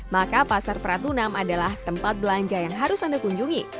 maka pasar pratunam adalah tempat belanja yang harus anda kunjungi